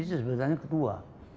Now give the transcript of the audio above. ini sebenarnya ketua